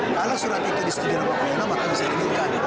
kalau surat itu disetujukan oleh rapat pleno maka diselinikan